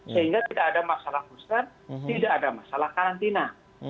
sehingga tidak ada masalah booster tidak ada masalah karantina